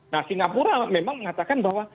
nah singapura memang mengatakan bahwa